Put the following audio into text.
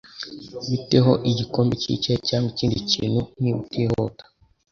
Bite ho igikombe cyicyayi cyangwa ikindi kintu, niba utihuta?